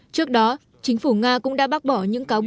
trước đó chính phủ nga cũng đã bác bỏ những cáo buộc tham nhũng vô cân cứ